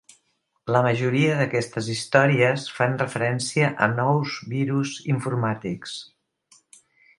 La majoria d'aquestes històries fan referència a nous virus informàtics.